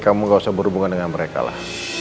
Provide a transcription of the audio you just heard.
kamu gak usah berhubungan dengan mereka lah